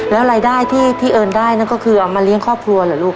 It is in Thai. แล้วรายได้ที่เอิญได้นั่นก็คือเอามาเลี้ยงครอบครัวเหรอลูก